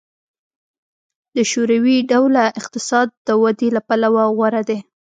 د شوروي ډوله اقتصاد د ودې له پلوه غوره دی